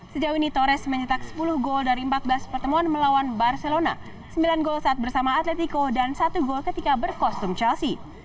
sejauh ini torres mencetak sepuluh gol dari empat belas pertemuan melawan barcelona sembilan gol saat bersama atletico dan satu gol ketika berkostum chelsea